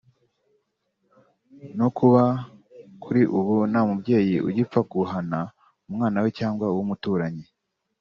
no kuba kuri ubu nta mubyeyi ugipfa guhana umwana we cyangwa uw’umuturanyi